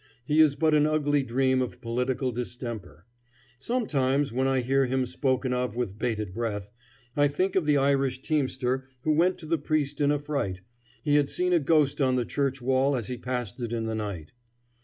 He is but an ugly dream of political distemper. Sometimes when I hear him spoken of with bated breath, I think of the Irish teamster who went to the priest in a fright; he had seen a ghost on the church wall as he passed it in the night.